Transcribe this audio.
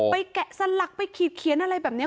แกะสลักไปขีดเขียนอะไรแบบนี้